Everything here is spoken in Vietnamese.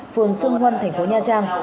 phường sương huân tp nha trang